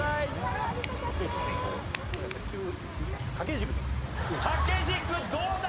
掛け軸どうだ？